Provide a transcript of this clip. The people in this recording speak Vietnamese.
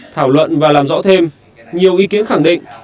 thảo luận và làm rõ thêm nhiều ý kiến khẳng định